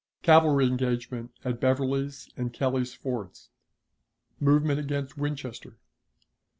Cavalry Engagement at Beverly's and Kelly's Fords. Movement against Winchester.